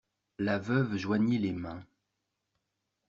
La veuve joignit les mains.